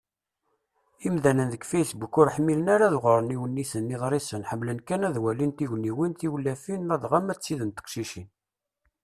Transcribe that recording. Imdanen deg Facebook ur ḥmmilen ara ad ɣren iwenniten, iḍrisen; ḥemmlen kan ad walin tugniwin, tiwlafin, ladɣa ma d tid n teqcicin.